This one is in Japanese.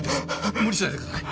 無理しないでください！